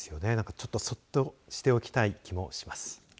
ちょっとそっとしておきたい気もします。